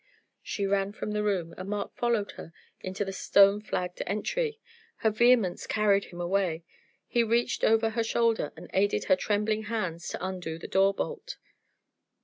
She ran from the room, and Mark followed her into the stone flagged entry. Her vehemence carried him away. He reached over her shoulder, and aided her trembling hands to undo the door bolt.